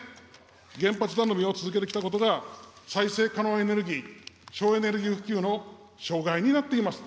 原発頼みを続けてきたことが、再生可能エネルギー、省エネルギー普及の障害になっています。